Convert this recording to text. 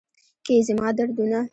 که یې زما دردونه